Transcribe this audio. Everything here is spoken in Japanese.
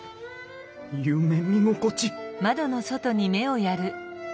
夢見心地！